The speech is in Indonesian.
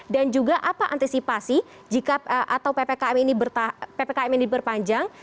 dan juga apa antisipasi jika ppkm ini berpanjang